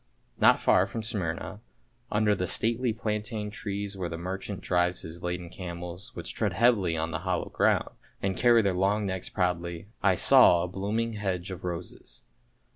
Not far from Smyrna, under the stately plaintain trees where the merchant drives his laden camels, which tread heavily on hallowed ground, and carry their long necks proudly, I saw a blooming hedge of roses.